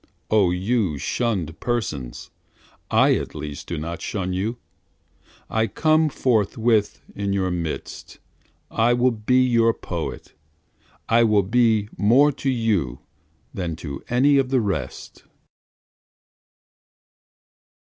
O you shunn'd persons, I at least do not shun you, I come forthwith in your midst, I will be your poet, I will be more to you than to any of the rest.